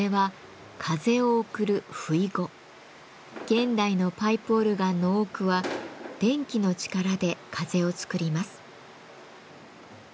現代のパイプオルガンの多くは電気の力で風を作ります。